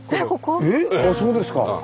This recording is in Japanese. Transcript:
あそうですか。